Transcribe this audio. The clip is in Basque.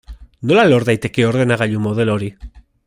Nola lor daiteke ordenagailu modelo hori?